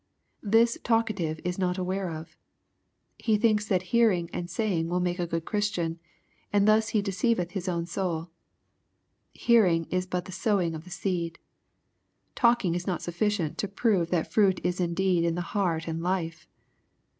Thi3 Talkative is not aware of He thinks that heaiing and saying will make a good Christian, and thus he deceiveth his own soul. Hearing is but the sowing of the seed. Talking is not sufficient to prove that fruit is indeed in the heart and life.